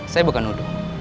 saya bukan nuduh